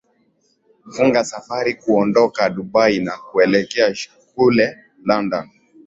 funga safari kuondoka dubai na kuelekea kule london